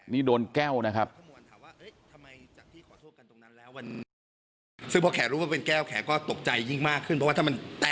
นี่โดนแก้วนะครับ